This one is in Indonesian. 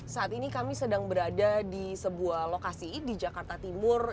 saat ini kami sedang berada di sebuah lokasi di jakarta timur